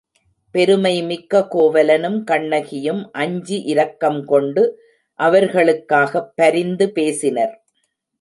பெருமை மிக்க கோவலனும் கண்ணகியும் அஞ்சி இரக்கம் கொண்டு அவர்களுக்காகப் பரிந்து பேசினர்.